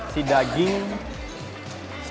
sekarang saya mau mencoba